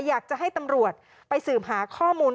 อยากจะให้ตำรวจไปสืบหาข้อมูล